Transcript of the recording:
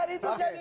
kan itu jadi